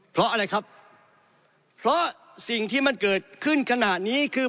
เพราะอะไรครับเพราะสิ่งที่มันเกิดขึ้นขณะนี้คือ